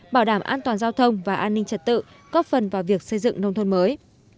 bảo đảm an toàn giao thông và an ninh trật tự góp phần vào việc xây dựng nông thôn mới